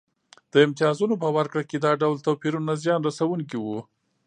د امتیازونو په ورکړه کې دا ډول توپیرونه زیان رسونکي وو